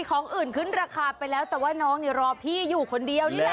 ของอื่นขึ้นราคาไปแล้วแต่ว่าน้องเนี่ยรอพี่อยู่คนเดียวนี่แหละ